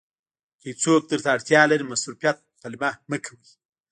که یو څوک درته اړتیا لري مصروفیت پلمه مه کوئ.